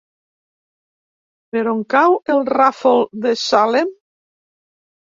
Per on cau el Ràfol de Salem?